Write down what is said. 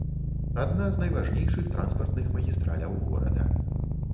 Адна з найважнейшых транспартных магістраляў горада.